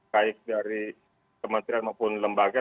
baik dari kementerian maupun lembaga